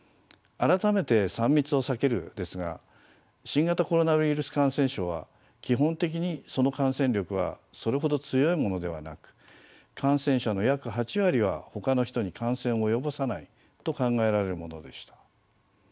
改めて「３密を避ける」ですが新型コロナウイルス感染症は基本的にその感染力はそれほど強いものではなく感染者の約８割はほかの人に感染を及ぼさないと考えられるものでした。